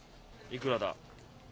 いくらだ。